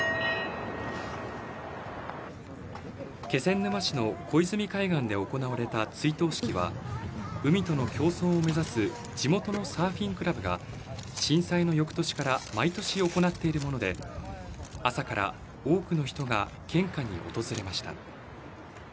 気仙沼市の小泉海岸で行われた追悼式は、海との共存を目指す地元のサーフィンクラブが、震災のよくとしから毎年行っているもので、朝から多くの人が献花に訪れました。